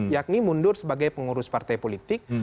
yakni mundur sebagai pengurus partai politik